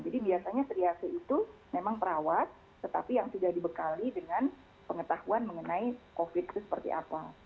jadi biasanya triasel itu memang perawat tetapi yang sudah dibekali dengan pengetahuan mengenai covid itu seperti apa